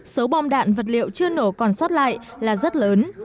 số bom đạn vật liệu chưa nổ còn sót lại là rất lớn